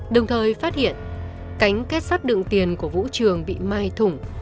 đồng thời phát hiện cánh kết sắt đựng tiền của vũ trường bị mai thủng